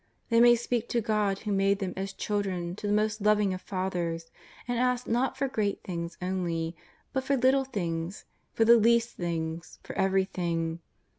They may speak to the God who made them as children to the most loving of fathers, and ask, not for great things only, but for little things, for the least things, for everything.